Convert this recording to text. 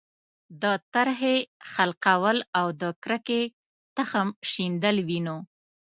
د ترهې خلقول او د کرکې تخم شیندل وینو.